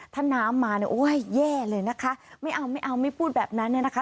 ถ้าน้ำมาเนี่ยโอ้ยแย่เลยนะคะไม่เอาไม่เอาไม่พูดแบบนั้นเนี่ยนะคะ